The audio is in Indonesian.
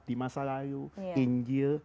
di masa lalu injil